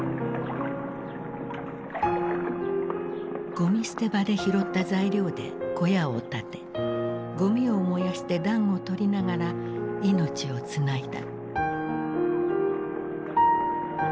ごみ捨て場で拾った材料で小屋を建てごみを燃やして暖を取りながら命をつないだ。